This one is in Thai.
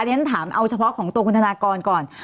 ฉันถามเอาเฉพาะของตัวคุณธนากรก่อน